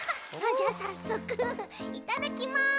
じゃあさっそくいただきます。